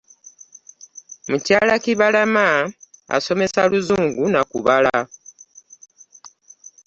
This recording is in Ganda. Mukyala Kibalama asomesa Luzungu nakubala.